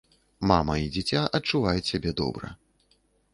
Мама і дзіця адчуваюць сябе добра.